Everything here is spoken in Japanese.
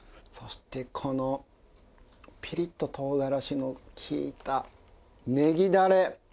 そしてこのピリッと唐辛子の利いたねぎだれ！